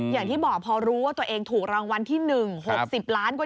อย่างที่บอกพอรู้ว่าตัวเองถูกรางวัลที่๑๖๐ล้านกว่า